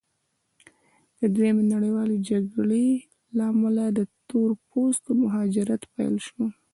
د دویمې نړیوالې جګړې له امله د تور پوستو مهاجرت پیل شو.